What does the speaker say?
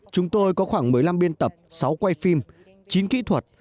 chúng tôi có khoảng một mươi năm biên tập sáu quay phim chín kỹ thuật